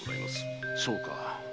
そうか。